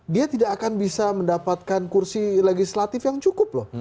dia tidak akan bisa mendapatkan kursi legislatif yang cukup loh